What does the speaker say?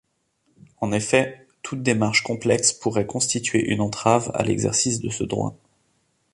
En effet, toute démarche complexe pourrait constituer une entrave à l’exercice de ce droit.